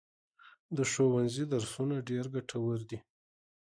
د ښوونځي درسونه ډېر ګټور دي.